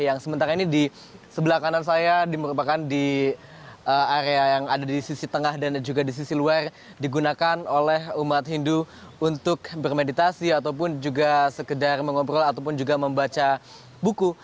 yang sementara ini di sebelah kanan saya di merupakan di area yang ada di sisi tengah dan juga di sisi luar digunakan oleh umat hindu untuk bermeditasi ataupun juga sekedar mengobrol ataupun juga membaca buku